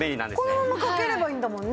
このまま掛ければいいんだもんね。